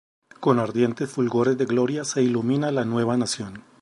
Con ardientes fulgores de gloria Se ilumina la nueva nación.